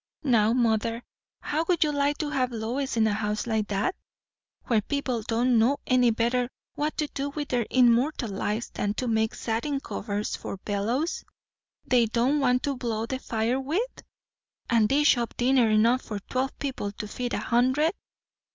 Now, mother, how would you like to have Lois in a house like that? where people don't know any better what to do with their immortal lives than to make satin covers for bellows they don't want to blow the fire with! and dish up dinner enough for twelve people, to feed a hundred?"